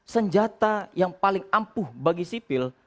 senjata yang paling ampuh bagi sipil